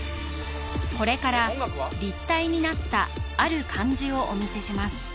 これから立体になったある漢字をお見せします